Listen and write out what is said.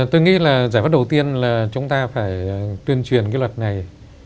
tôi nghĩ là giải pháp đầu tiên là chúng ta phải tuyên truyền cái luật này